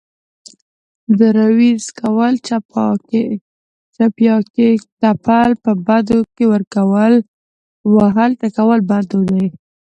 دروېزه کول، څپياکې تپل، په بدو کې ورکول، وهل، ټکول بد دود دی